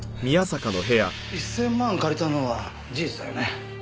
１０００万借りたのは事実だよね？